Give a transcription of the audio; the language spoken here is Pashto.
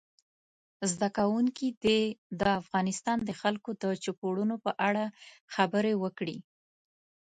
زده کوونکي دې د افغانستان د خلکو د چوپړونو په اړه خبرې وکړي.